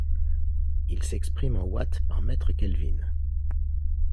Il s'exprime en watts par mètre-kelvin.